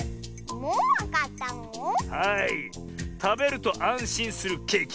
たべるとあんしんするケーキ